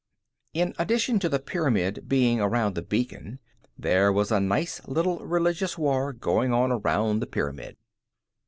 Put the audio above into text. In addition to the pyramid being around the beacon, there was a nice little religious war going on around the pyramid.